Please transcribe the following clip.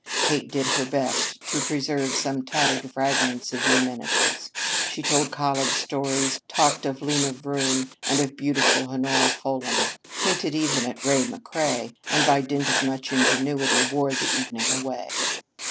Kate did her best to preserve some tattered fragments of the amenities. She told college stories, talked of Lena Vroom and of beautiful Honora Fulham, hinted even at Ray McCrea, and by dint of much ingenuity wore the evening away.